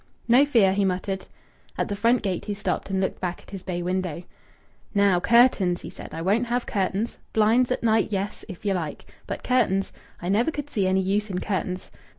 "No fear!" he muttered. At the front gate he stopped and looked back at his bay window. "Now curtains!" he said. "I won't have curtains. Blinds, at night, yes, if you like. But curtains! I never could see any use in curtains.